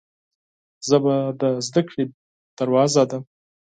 ژبه د زده کړې دروازه ده